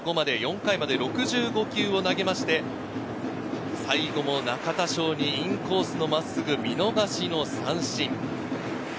高橋宏斗が４回まで６５球を投げて最後、中田翔にインコースの真っすぐ見逃し三振。